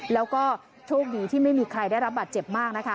แล้วก็โชคดีที่ไม่มีใครได้รับบาดเจ็บมากนะคะ